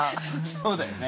そうだよね。